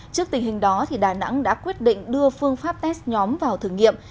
trước tình hình đó đà nẵng đã quyết định đưa phương pháp test nhóm vào thử nghiệm